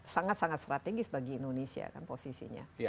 sangat sangat strategis bagi indonesia kan posisinya